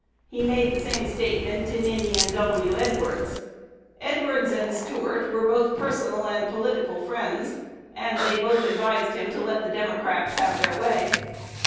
He made the same statement to Ninian W. Edwards. Edwards and Stuart were both his personal and political friends, and they both advised him to let the Democrats have their way.